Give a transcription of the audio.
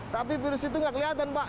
tapi virus itu nggak kelihatan pak